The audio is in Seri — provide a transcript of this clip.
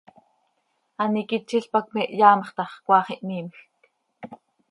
An iquitzil pac me hyaamx tax, cmaax ihmiimjc.